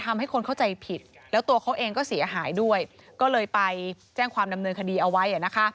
มันหายด้วยก็เลยไปแจ้งความดำเนินคดีเอาไว้